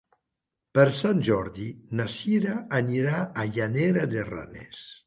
Per Sant Jordi na Cira anirà a Llanera de Ranes.